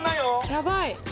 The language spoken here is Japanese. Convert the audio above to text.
やばい・